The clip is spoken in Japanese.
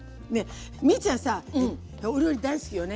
ミッちゃんさお料理大好きよね。